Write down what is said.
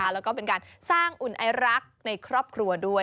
แล้วก็เป็นการสร้างอุ่นไอรักในครอบครัวด้วย